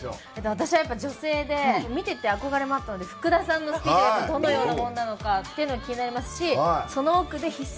私はやっぱ女性で見てて憧れもあったので福田さんのスピーチがどのようなものなのかっていうのが気になりますしその奥でひっそりたたずむＢＫＢさんも。